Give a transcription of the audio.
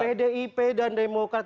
pdip dan demokrat